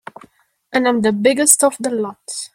And I'm the biggest of the lot.